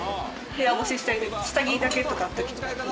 部屋干ししたい時下着だけとかの時にもいいし。